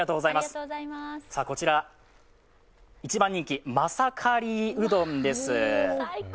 こちら、一番人気まさカリーうどんです。